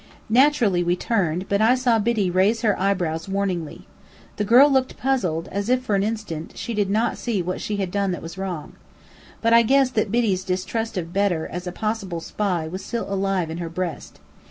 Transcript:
Naturally we turned, but I saw Biddy raise her eyebrows warningly. The girl looked puzzled, as if, for an instant, she did not see what she had done that was wrong. But I guess that Biddy's distrust of Bedr as a possible spy was still alive in her breast.